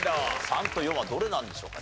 ３と４はどれなんでしょうかね？